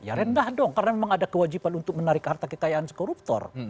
ya rendah dong karena memang ada kewajiban untuk menarik harta kekayaan koruptor